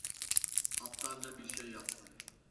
Aptalca bir şey yaptım.